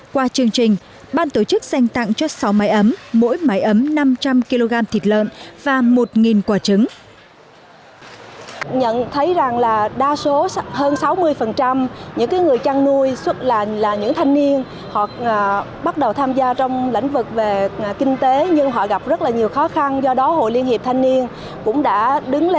qua chương trình ban tổ chức dành tặng cho sáu máy ấm mỗi máy ấm năm trăm linh kg thịt lợn và một quả trứng